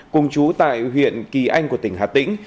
cùng chú tại huyện kỳ anh của tỉnh hà tĩnh